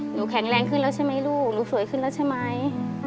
แข็งแรงขึ้นแล้วใช่ไหมลูกหนูสวยขึ้นแล้วใช่ไหม